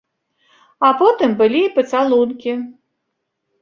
А потым былі і пацалункі.